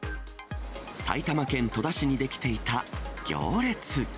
埼玉県戸田市に出来ていた行列。